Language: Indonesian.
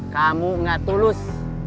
kamu nggak tulus